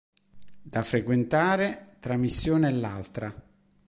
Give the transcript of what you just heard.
Da frequentare, tra missione e l'altra.